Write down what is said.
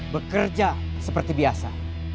bekerja seperti biasa